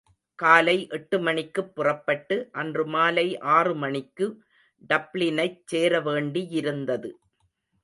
காலை எட்டுமணிக்குப் புறப்பட்டு, அன்று மாலை ஆறு மணிக்கு டப்ளினைச் சேரவேண்டியிருந்தது.